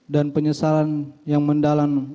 dan penyesalan yang mendalam